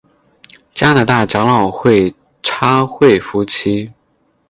加拿大长老会差会夫妇。